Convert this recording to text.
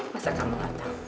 masa kamu nggak tahu